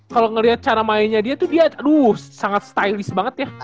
kalau ngelihat cara mainnya dia tuh dia aduh sangat stylish banget ya